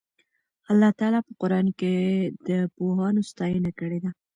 الله تعالی په قرآن کې د پوهانو ستاینه کړې ده.